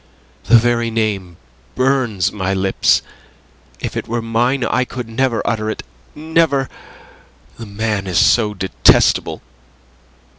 "The very name burns my lips. If it were mine I could never utter it never! The man is so detestable.